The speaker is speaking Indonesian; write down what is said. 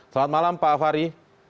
selamat malam pak fahri